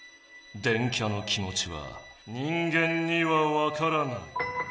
電キャの気もちは人間にはわからない。